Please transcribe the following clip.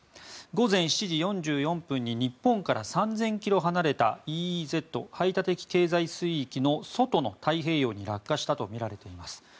午前７時４４分に日本から３０００ｋｍ離れたＥＥＺ・排他的経済水域の外の太平洋に落下したとみられています。